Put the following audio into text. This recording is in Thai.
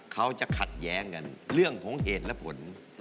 เขาจะขัดแย้งกันเรื่องของเหตุและผล